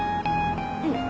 うん。